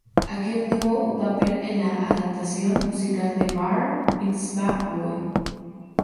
Aquí obtuvo un papel en la adaptación musical de "Bar Mitzvah Boy".